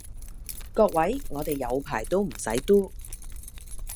各位，我地有排都唔使 do